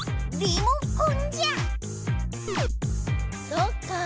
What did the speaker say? そっかぁ。